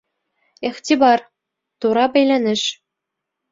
Иғтибар: Тура бәйләнеш!